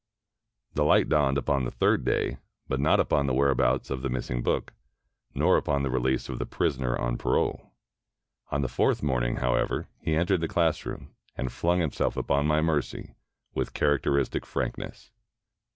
The light dawned upon the third day, but not upon the whereabouts of the missing book, nor upon the release of the prisoner on parole. On the fourth morning, however, he entered the classroom, and flung himself upon my mercy with characteristic frankness.